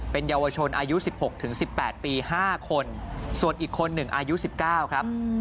เป็นเยาวชนอายุ๑๖๑๘ปี๕คนส่วนอีกคนหนึ่งอายุ๑๙ครับ